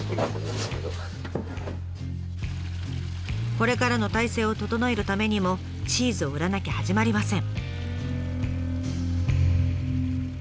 これからの体制を整えるためにもチーズを売らなきゃ始まりません。